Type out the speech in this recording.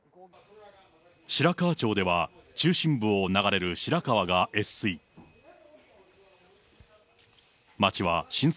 白川町では中心部を流れる白川が越水。